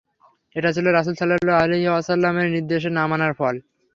এটা ছিল রাসূল সাল্লাল্লাহু আলাইহি ওয়াসাল্লাম-এর নির্দেশ না মানার ফল।